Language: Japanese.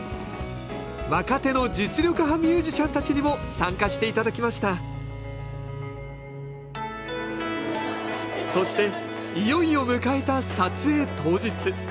若手の実力派ミュージシャンたちにも参加して頂きましたそしていよいよ迎えた撮影当日。